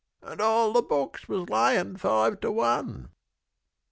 And all the books was layin' five to one.